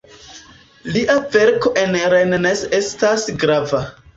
Lia verko en Rennes estas grava.